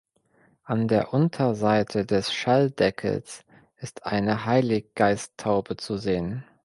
An der Unterseite des Schalldeckels ist eine Heiliggeisttaube zu sehen.